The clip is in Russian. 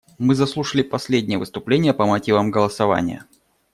Мы заслушали последнее выступление по мотивам голосования.